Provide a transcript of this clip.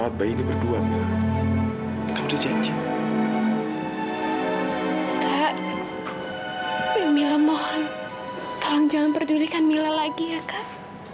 tolong jangan pedulikan mila lagi ya kak